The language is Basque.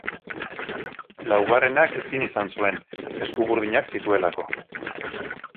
Laugarrenak ezin izan zuen, esku-burdinak zituelako.